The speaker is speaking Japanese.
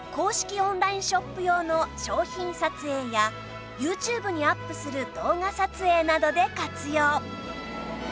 オンラインショップ用の商品撮影や ＹｏｕＴｕｂｅ にアップする動画撮影などで活用